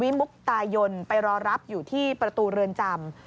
มุกตายนไปรอรับอยู่ที่ประตูเรือนจำ